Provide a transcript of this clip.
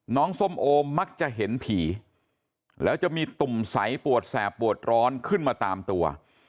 ส้มโอมมักจะเห็นผีแล้วจะมีตุ่มใสปวดแสบปวดร้อนขึ้นมาตามตัว